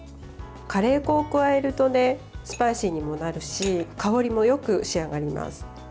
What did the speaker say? カレー粉を加えるとスパイシーにもなるし香りもよく仕上がります。